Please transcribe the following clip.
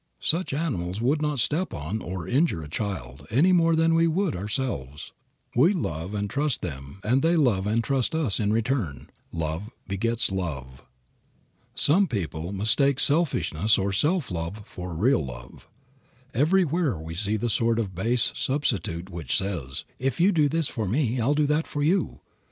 Such animals would not step on or injure a child any more than we would ourselves. We love and trust them and they love and trust us in return. Love begets love. Some people mistake selfishness or self love for real love. Everywhere we see the sort of base substitute which says, "If you do this for me I'll do that for you."